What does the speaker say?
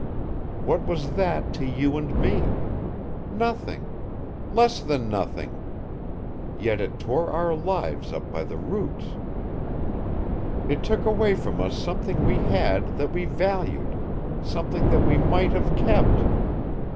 What was that to you and me? Nothing. Less than nothing. Yet it tore our lives up by the roots. It took away from us something we had that we valued, something that we might have kept.